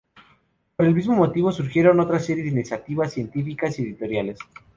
Por el mismo motivo surgieron otra serie de iniciativas científicas y editoriales.